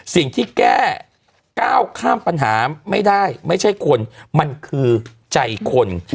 สิ่งที่แก้ก้าวข้ามปัญหาไม่ได้ไม่ใช่คนมันคือใจคน